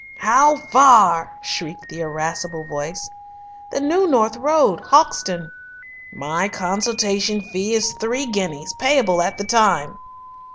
"How far?" shrieked the irascible voice. "The New North Road, Hoxton." "My consultation fee is three guineas, payable at the time."